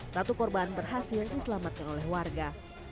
satu korban berhasil diselamatkan oleh warga